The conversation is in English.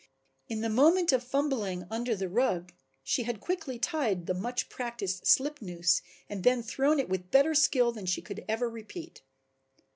In the moment of fumbling under the rug she had quickly tied the much practiced slip noose and then had thrown it with better skill than she could ever repeat.